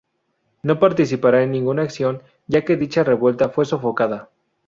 No participará en ninguna acción, ya que dicha revuelta fue sofocada.